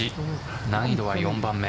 難易度は４番目。